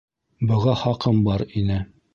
Быға хаҡым бар ине.